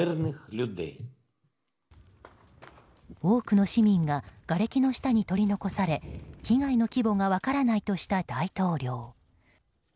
多くの市民ががれきの下に取り残され被害の規模が分からないとした大統領。